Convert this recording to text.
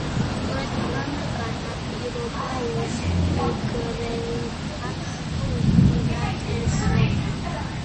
სწორედ ამან განაპირობა უნგრელთა უპირატესობა.